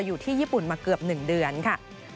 อยู่ที่ญี่ปุ่นมาเกือบ๑เดือนค่ะ